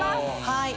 はい。